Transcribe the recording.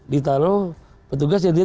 ditaruh petugas yang dia